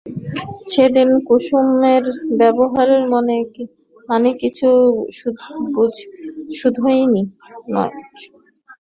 সেদিন কুসুমের ব্যবহারের মানে ছিল শুধু এই।